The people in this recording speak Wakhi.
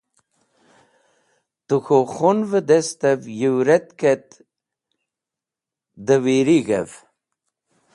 Tẽ k̃hũ khun’v-e destev yũwretk et dẽ wirig̃hev.